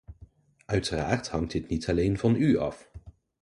Uiteraard hangt dit niet alleen van u af.